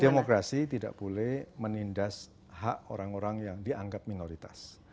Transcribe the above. demokrasi tidak boleh menindas hak orang orang yang dianggap minoritas